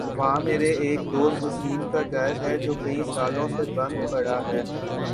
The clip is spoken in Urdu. وہاں میرے ایک دوست وسیم کا گھر ہے جو کئی سالوں سے بند پڑا ہے ۔